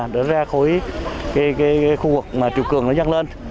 để ra khối khu vực mà triều cường nhắc lên